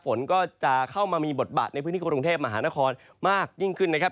ฝนก็จะเข้ามามีบทบาทในพื้นที่กรุงเทพมหานครมากยิ่งขึ้นนะครับ